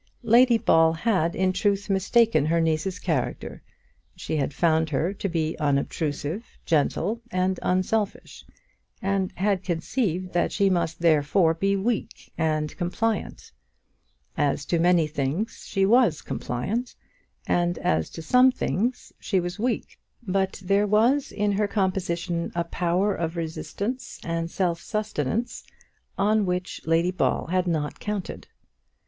Lady Ball had in truth mistaken her niece's character. She had found her to be unobtrusive, gentle, and unselfish; and had conceived that she must therefore be weak and compliant. As to many things she was compliant, and as to some things she was weak; but there was in her composition a power of resistance and self sustenance on which Lady Ball had not counted.